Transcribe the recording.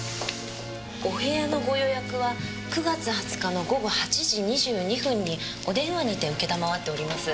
お部屋のご予約は９月２０日の午後８時２２分にお電話にて承っております。